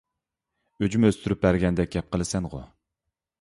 ئۈجمە ئۈستۈرۈپ بەرگەندەك گەپ قىلىسەنغۇ؟ !